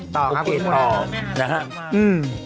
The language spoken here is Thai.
ต่อครับคุณผู้ชม